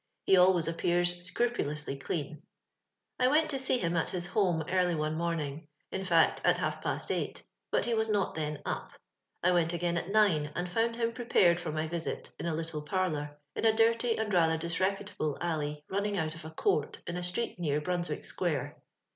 He always appears scrupulously clean. I went to see him at his home early one morning — in fact, at half past eight, but he was not tlien up. I went again at nine, and found him prepared for ray visit in a little par lour, in a dirty and^ rather disreputable alley ninning out of a court in a street near Bnms. wick square.